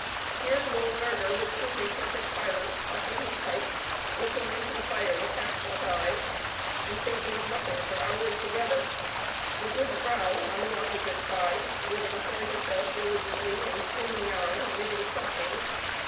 Here the old burgher would sit in perfect silence, puffing his pipe, looking into the fire with half shut eyes, and thinking of nothing for hours together; the goede vrouw, on the opposite side, would employ herself diligently in spinning yarn or knitting stockings.